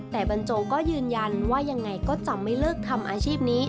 แต่บรรโจก็ยืนยันว่ายังไงก็จะไม่เลิกทำอาชีพนี้